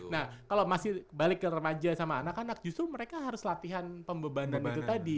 nah kalau masih balik ke remaja sama anak anak justru mereka harus latihan pembebanan itu tadi